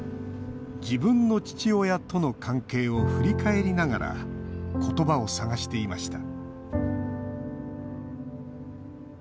自分の父親との関係を振り返りながら言葉を探していました